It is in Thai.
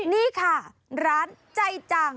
นี่ค่ะร้านใจจัง